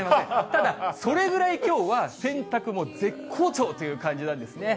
ただ、それぐらいきょうは、洗濯も絶好調という感じなんですね。